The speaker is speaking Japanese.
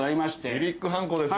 リリックハンコですよ。